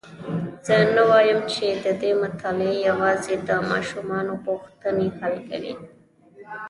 زه نه وایم چې ددې مطالعه یوازي د ماشومانو پوښتني حل کوي.